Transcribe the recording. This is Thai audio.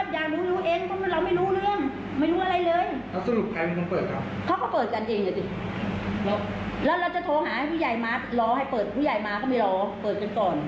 แล้วเราจะโทรหาให้ผู้ใหญ่มารอให้เปิดผู้ใหญ่มาก็ไม่รอเปิดกันก่อน